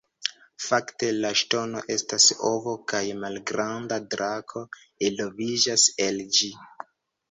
Fakte la ŝtono estas ovo kaj malgranda drako eloviĝas el ĝi.